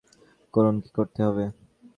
সভ্যমহাশয়গণ, আপনারা উত্তর করুন কী করতে হবে?